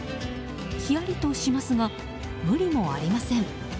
ひやりとしますが無理もありません。